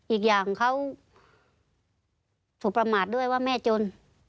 อีกอย่างเขาถูกประมาทด้วยว่าแม่จน